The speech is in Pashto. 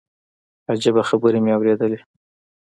عجيبه خبرې مې اورېدلې.